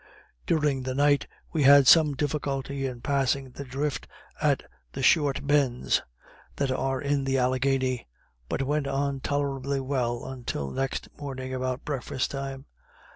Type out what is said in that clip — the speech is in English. During the night we had some difficulty in passing the drift at the short bends that are in the Alleghany, but went on tolerably well until next morning about breakfast time.